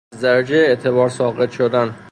ازدرجه اعتبارساقط شدن